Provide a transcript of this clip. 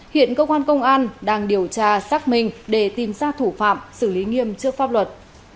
hiện cơ quan công an đang điều tra xác minh để tìm ra thủ phạm xử lý nghiêm trước pháp luật